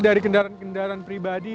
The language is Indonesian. dari kendaraan kendaraan pribadi